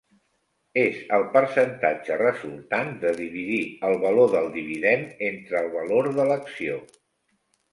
És el percentatge resultant de dividir el valor del dividend entre el valor de l’acció.